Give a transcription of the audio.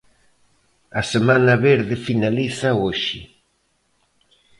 A Semana Verde finaliza hoxe.